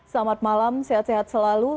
selamat malam sehat sehat selalu